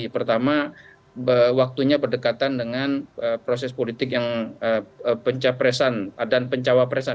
pertama waktunya berdekatan dengan proses politik yang pencapresan dan pencawapresan